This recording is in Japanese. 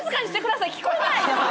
聞こえないです。